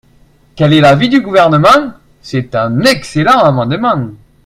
Quel est l’avis du Gouvernement ? C’est un excellent amendement.